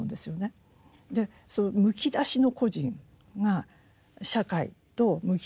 そのむき出しの個人が社会と向き合う。